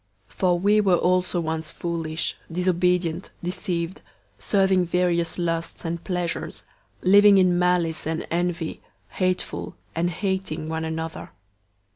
003:003 For we were also once foolish, disobedient, deceived, serving various lusts and pleasures, living in malice and envy, hateful, and hating one another.